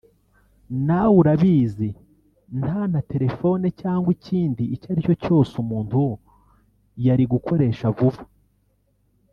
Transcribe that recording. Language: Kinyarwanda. nawe urabizi nta naterefone cyangwa ikindi icyaricyo cyose umuntu yari gukoresha vuba